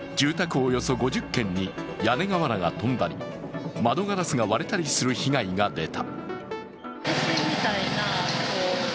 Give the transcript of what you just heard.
およそ５０軒に屋根瓦が飛んだり、窓ガラスが割れたりする被害が出た。